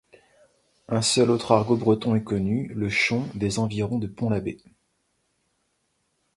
Un seul autre argot breton est connu, le chon des environs de Pont-l'Abbé.